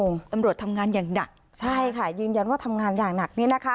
ตำรวจทำงานอย่างหนักใช่ค่ะยืนยันว่าทำงานอย่างหนักนี่นะคะ